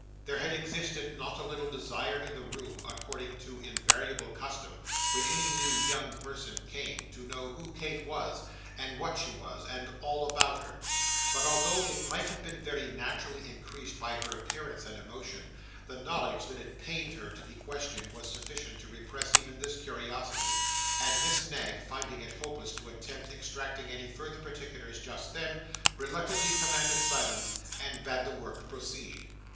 There had existed not a little desire in the room, according to invariable custom, when any new 'young person' came, to know who Kate was, and what she was, and all about her; but, although it might have been very naturally increased by her appearance and emotion, the knowledge that it pained her to be questioned, was sufficient to repress even this curiosity; and Miss Knag, finding it hopeless to attempt extracting any further particulars just then, reluctantly commanded silence, and bade the work proceed.